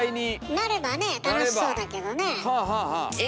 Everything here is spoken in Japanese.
なればね楽しそうだけどねえ。